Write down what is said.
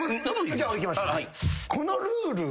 じゃあいきましょう。